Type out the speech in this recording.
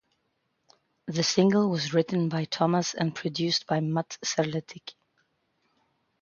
The single was written by Thomas and produced by Matt Serletic.